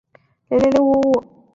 店址位于中山六路。